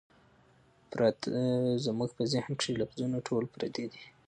پراتۀ زمونږ پۀ ذهن کښې لفظونه ټول پردي دي